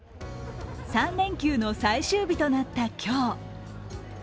３連休の最終日となった今日。